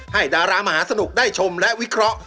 ดารามหาสนุกได้ชมและวิเคราะห์